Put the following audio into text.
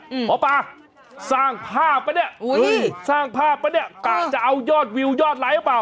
หมอปาสร้างภาพปะนี่สร้างภาพปะนี่กล้าจะเอายอดวิวยอดไรหรือเปล่า